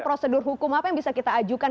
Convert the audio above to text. prosedur hukum apa yang bisa kita ajukan